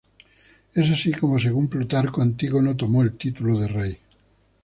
Es así, como según Plutarco, Antígono tomó el título de rey.